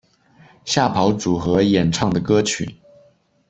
吓跑组合演唱的歌曲。